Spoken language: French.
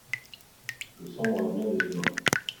Le sombre avenir des humains